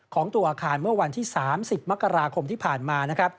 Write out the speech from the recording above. ของตัวอาคารเมื่อวันที่๓๐มกราคมที่ผ่านมา